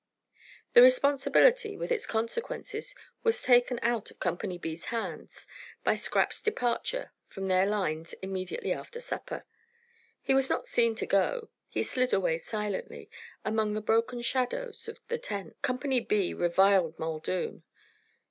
The responsibility, with its consequences, was taken out of Company B's hands by Scrap's departure from their lines immediately after supper. He was not seen to go. He slid away silently, among the broken shadows of the tents. Company B reviled Muldoon.